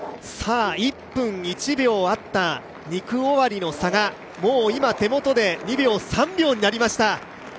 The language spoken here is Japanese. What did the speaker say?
１分１秒あった２区終わりの差が今２秒、３秒になりました。